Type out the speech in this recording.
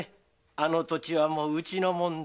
あの土地はもううちのもんだ。